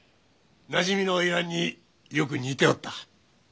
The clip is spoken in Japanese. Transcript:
なじみの花魁によく似ておった。